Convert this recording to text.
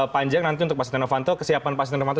panjang nanti untuk pak sionavanto kesiapan pak sionavanto